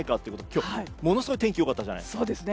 今日、ものすごい天気が良かったじゃないですか。